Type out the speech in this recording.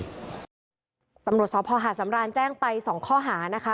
ต่ำโหรศพหาศำร้านแจ้งไป๒ข้อหานะคะ